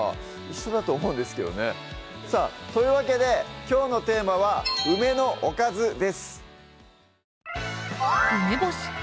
一緒だと思うんですけどねさぁというわけできょうのテーマは「梅のおかず」です